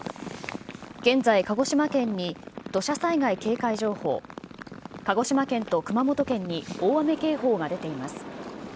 現在、鹿児島県に土砂災害警戒情報、鹿児島県と熊本県に大雨警報が出ています。